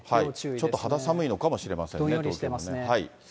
ちょっと肌寒いのかもしれませんね、どんよりしてますね。